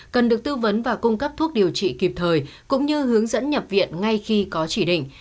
cần được tư vấn và cung cấp thuốc điều trị kịp thời cũng như hướng dẫn nhập viện ngay khi có chỉ định